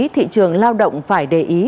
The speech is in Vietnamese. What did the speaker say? thị trường lao động phải để ý